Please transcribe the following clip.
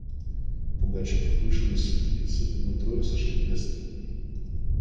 Пугачев вышел из светлицы, и мы трое сошли в гостиную.